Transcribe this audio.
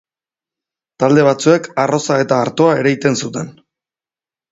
Talde batzuek arroza eta artoa ereiten zuten.